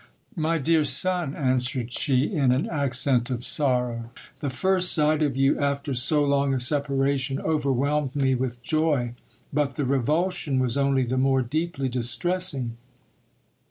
My dear son, answered she, in an accent of sorrow, the first sight of you after so long a separation overwhelmed me with joy, but the revulsion was only the more deeply distressing.